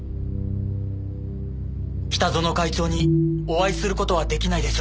北薗会長にお会いする事は出来ないでしょうか？